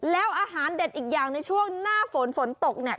แล้วอาหารเด็ดอีกอย่างในช่วงหน้าฝนฝนตกเนี่ย